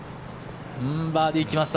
バーディー来ました。